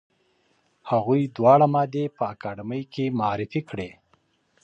هغوی دواړه مادې په اکاډمۍ کې معرفي کړې.